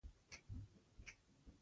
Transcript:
له کوچیانو پونده وو له ځایوالو.